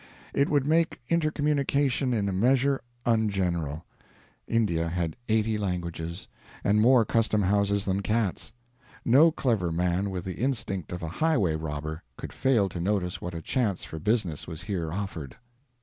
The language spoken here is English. It would make intercommunication in a measure ungeneral. India had eighty languages, and more custom houses than cats. No clever man with the instinct of a highway robber could fail to notice what a chance for business was here offered.